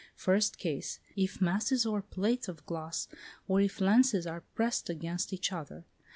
First case: if masses or plates of glass, or if lenses are pressed against each other.